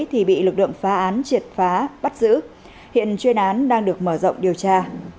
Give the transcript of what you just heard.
thì bị lực lượng phá án triệt phá bắt giữ hiện chuyên án đang được mở rộng điều tra